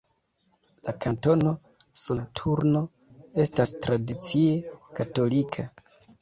La Kantono Soloturno estas tradicie katolika.